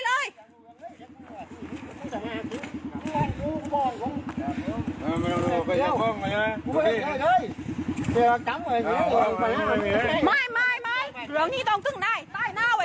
เดี๋ยวพากูเออไม่แล้วกูแจ้งความเลยเดี๋ยวเนี้ย